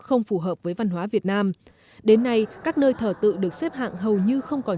không phù hợp với văn hóa việt nam đến nay các nơi thờ tự được xếp hạng hầu như không còn